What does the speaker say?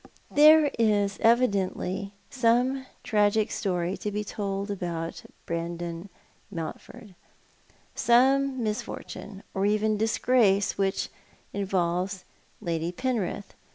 There is evidently seme tragic story to be told aboitt Brandon Mouutford — some misfortune, or even disgrace, which involves Lady Penrith.